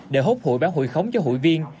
để hốt hụi báo hụi khống cho hụi viên